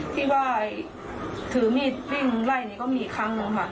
ที่ว่าถือมีดวิ่งไล่นี่ก็มีครั้งนึงค่ะ